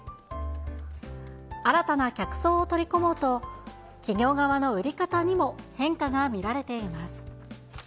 新たな客層を取り込もうと、企業側の売り方にも変化が見られています。